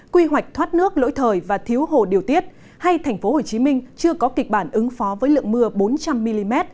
quy hoạch thoát nước lỗi thời và thiếu hồ điều tiết hay tp hcm chưa có kịch bản ứng phó với lượng mưa bốn trăm linh mm